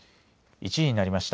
１時になりました。